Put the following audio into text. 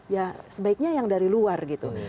ya sebaiknya yang dari luar gitu